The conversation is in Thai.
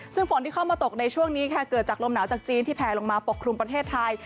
ซึ่งฝนที่เข้ามาตกในช่วงนี้ค่ะเกิดจากลมหนาวจากจีนที่แผลลงมาปกครุมประเทศไทย